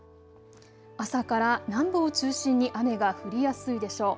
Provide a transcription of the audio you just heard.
朝から南部を中心に雨が降りやすいでしょう。